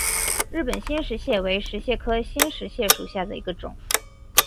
日本新石蟹为石蟹科新石蟹属下的一个种。